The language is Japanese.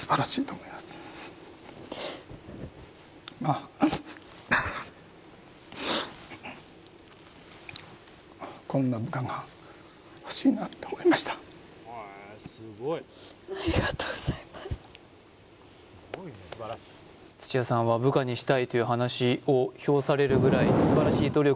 まあなって思いました土屋さんは部下にしたいという話を評されるぐらい素晴らしいフーッ！